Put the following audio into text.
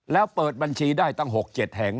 แล้วเปิดบัญชีได้ตั้ง๖๗แห่ง